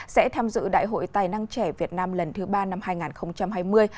sẽ tham dự đại hội tài năng trẻ việt nam lần thứ ba năm hai nghìn hai mươi